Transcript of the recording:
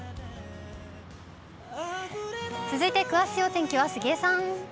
続いて詳しいお天気は杉江さん。